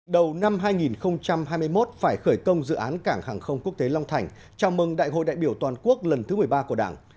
đầu năm hai nghìn hai mươi một phải khởi công dự án cảng hàng không quốc tế long thành chào mừng đại hội đại biểu toàn quốc lần thứ một mươi ba của đảng